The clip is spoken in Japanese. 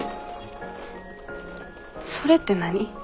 それって何？